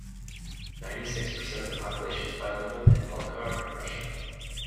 Ninety-six percent of the population is bilingual in Balkar and Russian.